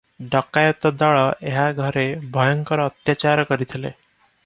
ଡକାଏତ ଦଳ ଏହା ଘରେ ଭୟଙ୍କର ଅତ୍ୟାଚାର କରିଥିଲେ ।